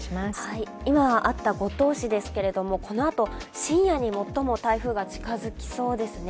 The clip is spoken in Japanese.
今、あった五島市ですがこのあと、深夜に最も台風が近づきそうですね。